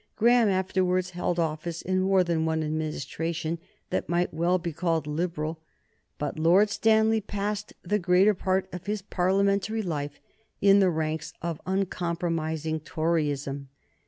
Graham afterwards held office in more than one Administration that might well be called Liberal, but Lord Stanley passed the greater part of his Parliamentary life in the ranks of uncompromising Toryism.